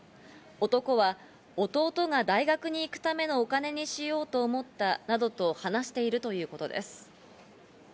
男は弟が大学に行くためのお金にしようと思ったなどと話しているということです。